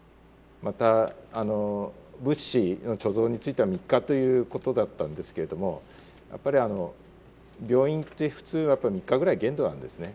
また物資の貯蔵については３日ということだったんですけれどもやっぱりあの病院って普通は３日ぐらい限度なんですね。